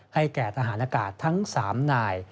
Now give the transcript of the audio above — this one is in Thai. แก่ทหารอากาศทั้ง๓นาย